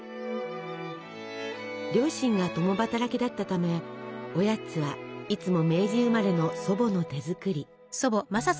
両親が共働きだったためおやつはいつも明治生まれの祖母の手作り。